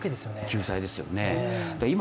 救済ですよね。